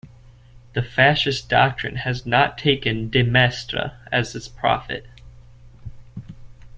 The fascist doctrine has not taken De Maistre as its prophet.